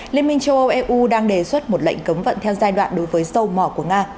liên minh châu âu eu đang đề xuất một lệnh cấm vận theo giai đoạn đối với sâu mỏ của nga